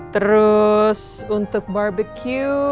terus untuk barbeque